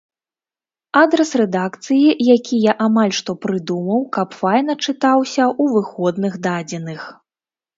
Адрас рэдакцыі, які я амаль што прыдумаў, каб файна чытаўся ў выходных дадзеных.